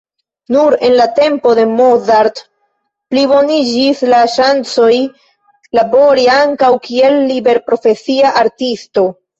Nur en la tempo de Mozart pliboniĝis la ŝancoj, labori ankaŭ kiel liberprofesia artisto.